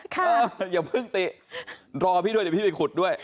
อย่าเพิ่งติรอพี่ด้วยเดี๋ยวพี่ไปขุดด้วย